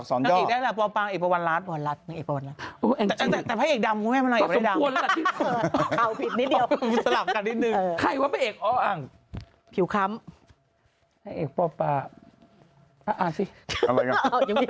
ใครว่าเป็นเอกอ๊ออ่างผิวคล้ำเอกป้อปลาอ่าอ่าสิยังมีคนอ่าง